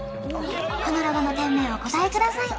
このロゴの店名をお答えください